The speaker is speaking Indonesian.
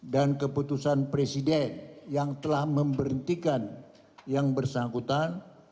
dan keputusan presiden yang telah memberhentikan yang bersangkutan